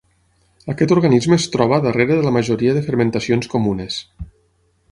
Aquest organisme es troba darrere de la majoria de fermentacions comunes.